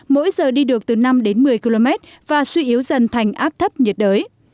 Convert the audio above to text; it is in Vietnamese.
mỗi giờ đi được từ năm đến một mươi km và suy yếu dần thành áp thấp nhiệt đới